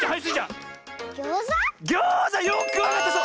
はい！